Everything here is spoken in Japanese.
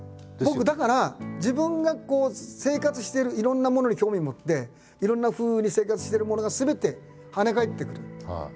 僕だから自分が生活してるいろんなものに興味持っていろんなふうに生活してるものがすべてはね返ってくる。